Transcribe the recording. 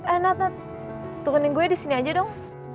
eh nad nad turunin gue disini aja dong